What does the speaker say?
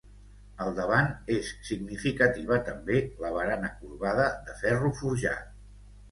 Al davant, és significativa també la barana corbada de ferro forjat.